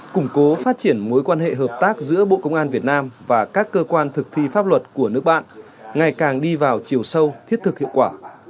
củng cố phát triển mối quan hệ hợp tác giữa bộ công an việt nam và các cơ quan thực thi pháp luật của nước bạn ngày càng đi vào chiều sâu thiết thực hiệu quả